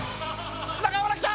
中村来た！